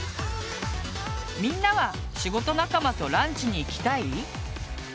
みんなは仕事仲間とランチに行きたい？